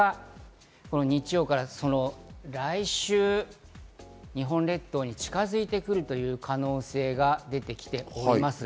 日曜から、来週、日本列島に近づいてくる可能性が出てきております。